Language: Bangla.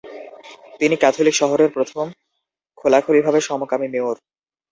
তিনি ক্যাথলিক শহরের প্রথম খোলাখুলিভাবে সমকামী মেয়র।